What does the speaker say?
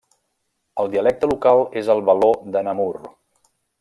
El dialecte local és el való de Namur.